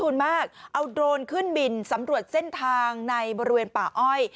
มากเอาโดรนขึ้นบินสำรวจเส้นทางในบริเวณป่าอ้อย